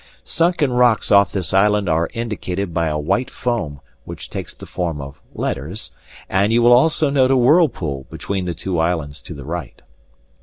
Sunken rocks off this island are indicated by a white foam which takes the form of letters, and you will also note a whirlpool between the two islands to the right.